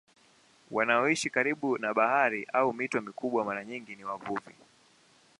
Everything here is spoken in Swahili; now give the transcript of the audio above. Wanaoishi karibu na bahari au mito mikubwa mara nyingi ni wavuvi.